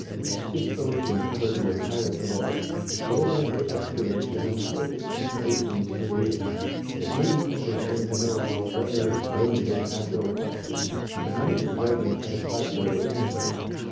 If this ocean covered the entire globe, where was the excavation and how did this deep ocean disappear ? It may be interesting to know how Werner explained this natural question, but none of his writings satisfactorily answer it.